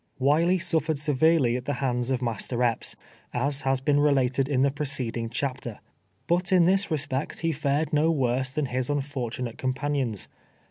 Wiley suflered severely at the liands of Master Epps, as lias been related in tlie preceding chapter, but in this resj^ect he fared no worse than his unfor tunate companions.